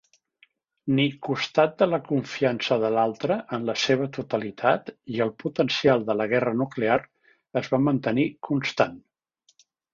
Ni costat de la confiança de l'altre en la seva totalitat i el potencial de la guerra nuclear es va mantenir constant.